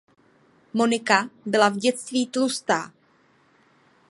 Monika byla v dětství tlustá.